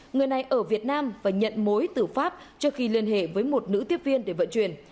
người này ở việt nam và nhận mối tử pháp trước khi liên hệ với một nữ tiếp viên để vận chuyển